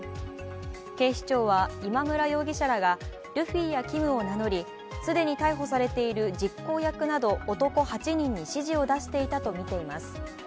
警視庁は今村容疑者らがルフィやキムを名乗り、既に逮捕されている実行役など男８人に指示を出していたとみられます。